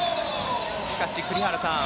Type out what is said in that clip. しかし栗原さん